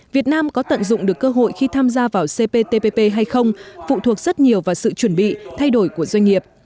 việt nam có tận dụng được cơ hội khi tham gia vào cptpp hay không phụ thuộc rất nhiều vào sự chuẩn bị thay đổi của doanh nghiệp